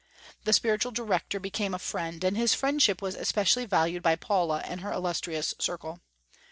The spiritual director became a friend, and his friendship was especially valued by Paula and her illustrious circle.